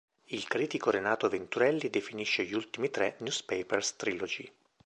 Il critico Renato Venturelli definisce gli ultimi tre "newpaper's trilogy".